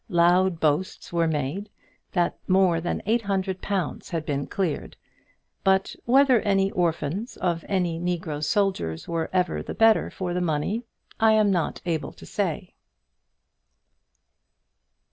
Loud boasts were made that more than eight hundred pounds had been cleared; but whether any orphans of any negro soldiers were ever the better for the money I am not able to say.